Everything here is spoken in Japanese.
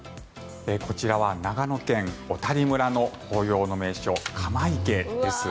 こちらは長野県小谷村の紅葉の名所、鎌池です。